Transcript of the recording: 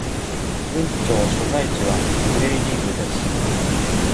郡庁所在地はグレイリングです。